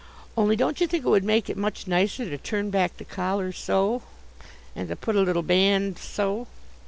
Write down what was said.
Only don't you think it would make it much nicer to turn back the collar, so, and to put a little band so?"